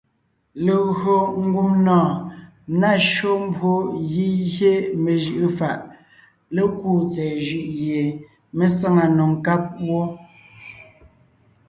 Legÿo ngumnɔɔn ná shÿó mbwó gígyé mejʉʼʉ fàʼ lékúu tsɛ̀ɛ jʉʼ gie mé sáŋa nò nkáb wó.